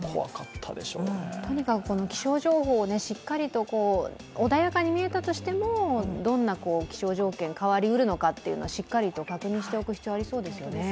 とにかく気象情報をしっかり、穏やかに見えたとしても、どんな気象条件が変わりうるのかしっかりと確認しておく必要ありそうですよね。